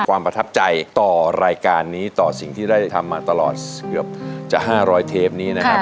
ประทับใจต่อรายการนี้ต่อสิ่งที่ได้ทำมาตลอดเกือบจะ๕๐๐เทปนี้นะครับ